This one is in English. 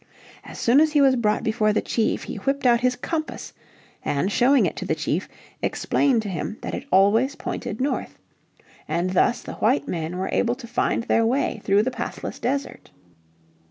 As soon as he was brought before the chief he whipped out his compass, and showing it to the chief, explained to him that it always pointed north, and thus the white men were able to find their way through the pathless desert.